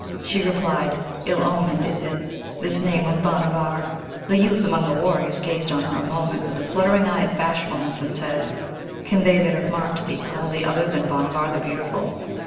She replied, 'Ill omened is it, this name of Bhanavar!' The youth among warriors gazed on her a moment with the fluttering eye of bashfulness, and said, 'Can they that have marked thee call thee other than Bhanavar the Beautiful?'